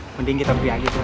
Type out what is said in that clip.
mending kita pergi aja tuh